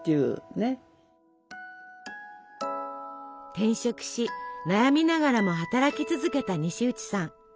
転職し悩みながらも働き続けた西内さん。